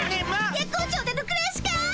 月光町でのくらしかい？